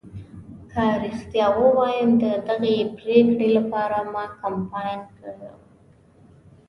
که رښتیا ووایم ددغې پرېکړې لپاره ما کمپاین کړی و.